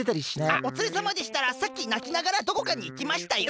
あっおつれさまでしたらさっきなきながらどこかにいきましたよ。